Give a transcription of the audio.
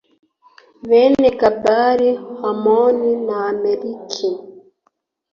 bene Gebali Hamoni na Amaleki